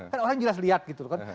kan orang jelas lihat gitu kan